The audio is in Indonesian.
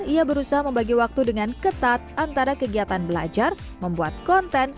ia berusaha membagi waktu dengan ketat antara kegiatan belajar membuat konten